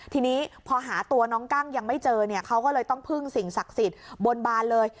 ทีนี้พอหาตัวน้องกั้งยังไม่เจอเนี่ยเขาก็เลยต้องพึ่งสิ่งศักดิ์สิทธิ์บนบานเลย